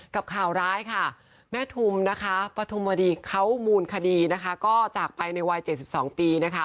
กับข่าวร้ายค่ะแม่ทุมปทุมวดีเข้ามูลคดีจากไปในวัย๗๒ปี